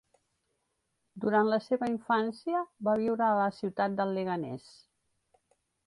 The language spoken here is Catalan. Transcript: Durant la seva infància, va viure a la ciutat del Leganés.